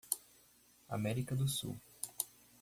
América do Sul.